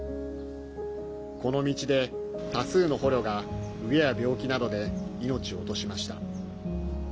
この道で、多数の捕虜が飢えや病気などで命を落としました。